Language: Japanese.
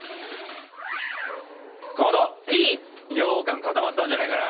かまどようかん固まったんじゃないかな。